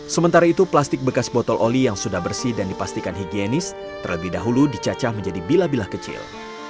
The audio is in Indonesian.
sementara itu plastik bekas botol oli yang sudah bersih dan dipastikan higienis terlebih dahulu dicacah menjadi bila bila kecil